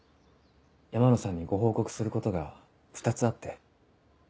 山野さんにご報告することが２つあって。